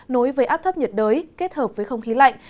nối với áp thấp nhiệt đới kết hợp với không khí lạnh